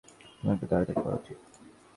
তোমার একটু তাড়াতাড়ি করা উচিত।